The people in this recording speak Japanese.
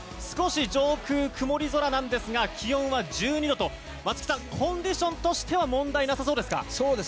少し上空、曇り空なんですが気温は１２度と松木さんコンディションとしては問題なさそうですか？